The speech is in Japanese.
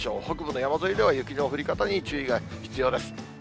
北部の山沿いでは、雪の降り方に注意が必要です。